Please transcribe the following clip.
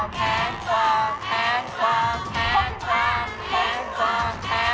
และราคาอยู่ที่